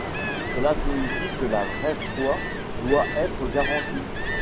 Cela signifie que la vraie foi doit être garantie.